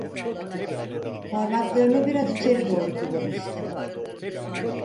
Parmaklarını biraz içeri doğru kıvırmıştı.